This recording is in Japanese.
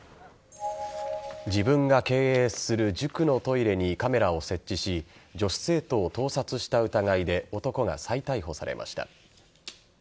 自分が経営する塾のトイレにカメラを設置し女子生徒を盗撮した疑いで男が再逮捕されました。